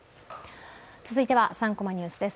続いては「３コマニュース」です。